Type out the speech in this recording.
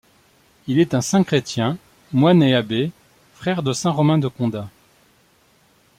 Il est un saint chrétien moine et abbé, frère de saint Romain de Condat.